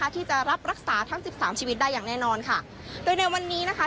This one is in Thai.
ที่จะรับรักษาทั้งสิบสามชีวิตได้อย่างแน่นอนค่ะโดยในวันนี้นะคะ